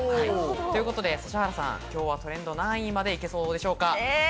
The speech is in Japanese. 指原さん、今日はトレンド何位まで行けそうでしょうか？